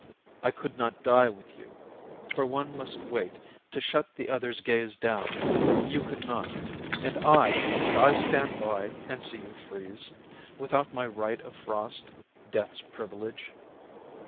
I could not die with you, For one must wait To shut the other's gaze down, You could not. And I, could I stand by And see you freeze, Without my right of frost, Death's privilege?